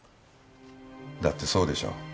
だってそうでしょ。